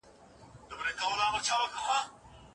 اقتصادي وضعه ښه نه ده.